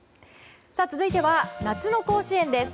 続いては夏の甲子園です。